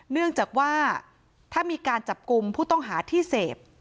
เนื่องจากว่าถ้ามีการจับกลุ่มผู้ต้องหาที่เสพ